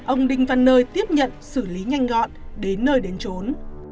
ông đinh văn nơi tiếp nhận xử lý nhanh gọn đến nơi đến trốn